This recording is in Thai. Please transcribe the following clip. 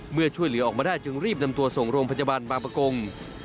เมื่อช่วยเหลือออกมาได้จึงรีบนำตัวส่งโรงพัฒนาปัจจับารณ์มากประกง